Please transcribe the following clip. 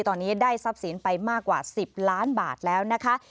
ตอนนี้ได้ทรัพย์สินไปมากกว่า๑๐ล้านบาทแล้วนะคะ